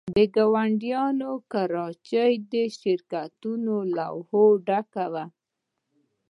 د ګاونډۍ ګراج د شرکتونو له لوحو ډک و